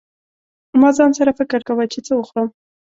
ما ځان سره فکر کاوه چې څه وخورم.